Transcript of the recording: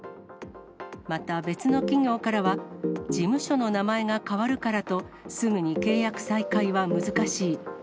また別の企業からは、事務所の名前が変わるからと、すぐに契約再開は難しい。